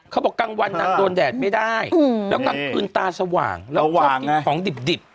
กลางวันนางโดนแดดไม่ได้แล้วกลางคืนตาสว่างระหว่างกินของดิบ